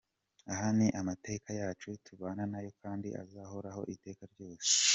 Aya ni amateka yacu, tubana nayo kandi azahoraho iteka ryose.